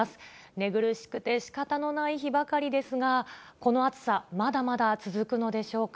寝苦しくてしかたのない日ばかりですが、この暑さ、まだまだ続くのでしょうか。